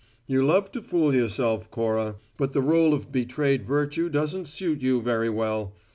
"You love to fool yourself, Cora, but the role of betrayed virtue doesn't suit you very well.